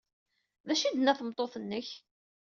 D acu ay d-tenna tmeṭṭut-nnek?